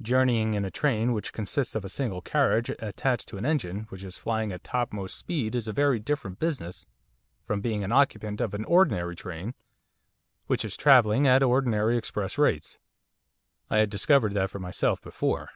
Journeying in a train which consists of a single carriage attached to an engine which is flying at topmost speed is a very different business from being an occupant of an ordinary train which is travelling at ordinary express rates. I had discovered that for myself before.